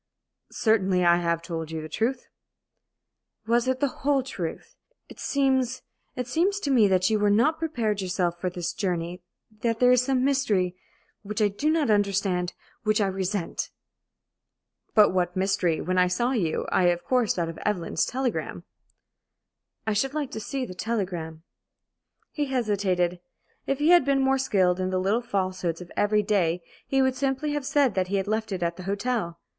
"Certainly I have told you the truth." "Was it the whole truth? It seems it seems to me that you were not prepared yourself for this journey that there is some mystery which I do not understand which I resent!" "But what mystery? When I saw you, I of course thought of Evelyn's telegram." "I should like to see that telegram." He hesitated. If he had been more skilled in the little falsehoods of every day he would simply have said that he had left it at the hotel.